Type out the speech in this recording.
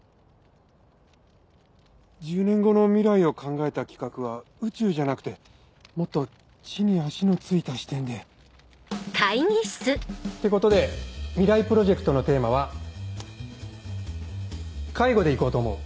１０年後の未来を考えた企画は宇宙じゃなくてもっと地に足の着いた視点で。ってことで未来プロジェクトのテーマは「介護」で行こうと思う。